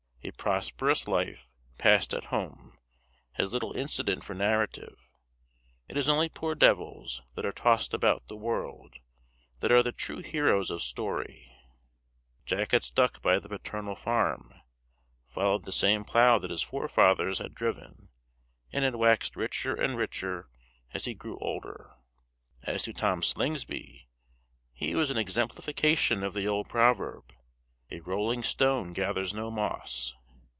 A prosperous life, passed at home, has little incident for narrative; it is only poor devils, that are tossed about the world, that are the true heroes of story. Jack had stuck by the paternal farm, followed the same plough that his forefathers had driven, and had waxed richer and richer as he grew older. As to Tom Slingsby, he was an exemplification of the old proverb, "A rolling stone gathers no moss."